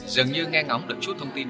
dường như nghe ngóng được chút thông tin